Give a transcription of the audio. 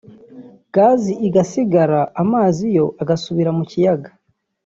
gazi igasigara amazi yo agasubira mu kiyaga